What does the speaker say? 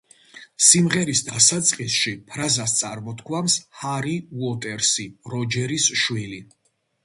სიმღერის დასაწყისში ფრაზას წარმოთქვამს ჰარი უოტერსი, როჯერის შვილი.